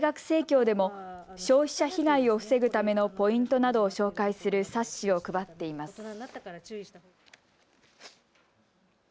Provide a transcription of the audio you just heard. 生協でも消費者被害を防ぐためのポイントなどを紹介する冊子を配っています。